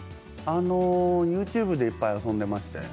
ＹｏｕＴｕｂｅでいっぱい遊んでいました。